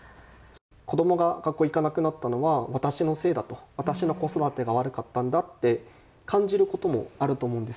子どもが学校行かなくなったのは私のせいだと私の子育てが悪かったんだって感じることもあると思うんです。